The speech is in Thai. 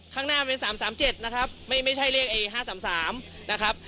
ข้างหน้าเป็นสามสามเจ็ดนะครับไม่ไม่ใช่เรียกไอ้ห้าสามสามนะครับ